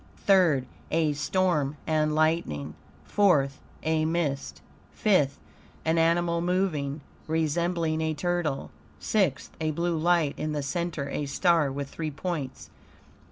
THIRD A storm, and lightning. FOURTH A mist. FIFTH An animal moving, resembling a turtle. SIXTH A blue light; in the center a star with three points.